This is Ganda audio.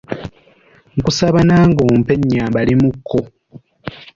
Nkusaba nange ompe nnyambalemukko.